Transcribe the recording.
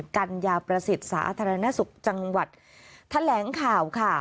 กัญญาประสิทธิ์สาธารณสุขจังหวัดแถลงข่าวค่ะ